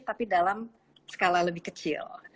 tapi dalam skala lebih kecil